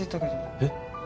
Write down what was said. えっ？